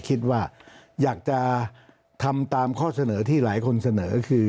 คิดว่าอยากจะทำตามข้อเสนอที่หลายคนเสนอคือ